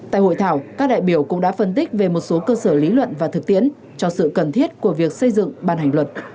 tại hội thảo các đại biểu cũng đã phân tích về một số cơ sở lý luận và thực tiễn cho sự cần thiết của việc xây dựng ban hành luật